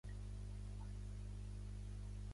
Warshawski enveja l'organització de Millhone.